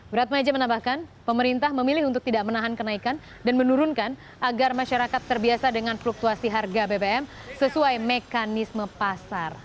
berat maja menambahkan pemerintah memilih untuk tidak menahan kenaikan dan menurunkan agar masyarakat terbiasa dengan fluktuasi harga bbm sesuai mekanisme pasar